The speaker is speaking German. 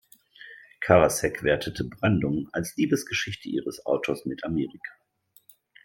Karasek wertete "Brandung" als „Liebesgeschichte ihres Autors mit Amerika“.